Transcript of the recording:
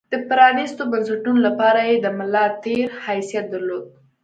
د پرانېستو بنسټونو لپاره یې د ملا تیر حیثیت درلود.